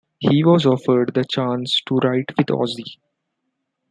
He was offered the chance to write with Ozzy.